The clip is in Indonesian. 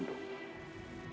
aku tidak akan menemani kumendung